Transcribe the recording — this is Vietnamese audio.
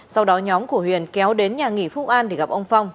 sau đó nhóm của huyền kéo đến nhà nghỉ phúc an thì gặp ông phong